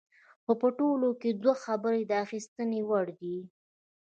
خو په ټوله کې دوه خبرې د اخیستنې وړ دي.